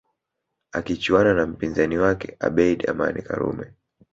Akichuana na mpinzani wake Abeid Amani Karume